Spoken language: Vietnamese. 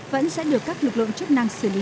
vẫn sẽ được các lực lượng chức năng xử lý